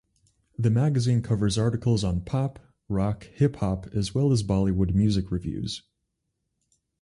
The magazine covers articles on pop, rock, hip-hop as well as Bollywood music reviews.